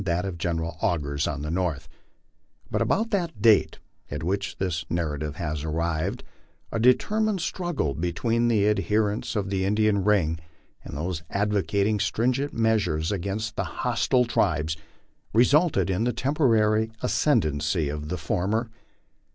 83 that of General Augur's on the north ; but about the date at which this narra tive has arrived, a determined struggle between the adherents of the Indian ring and those advocating stringent measures against the hostile tribes, resulted in the temporary ascendancy of the former.